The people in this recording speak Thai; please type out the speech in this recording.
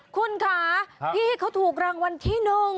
คุณค่ะพี่เขาถูกรางวัลที่๑